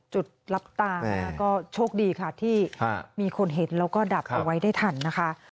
จุดรับตาก็โชคดีค่ะที่มีคนเห็นแล้วก็ดับเอาไว้ได้ทันนะคะ